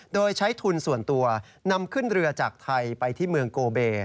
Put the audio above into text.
โดยใช้ทุนส่วนตัวนำขึ้นเรือจากไทยไปที่เมืองโกเบ